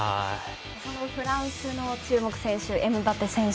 そのフランスの注目選手がエムバペ選手。